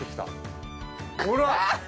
ほら！